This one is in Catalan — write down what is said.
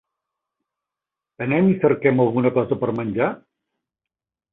Anem i cerquem alguna cosa per menjar?